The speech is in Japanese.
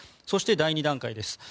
そして第２段階です。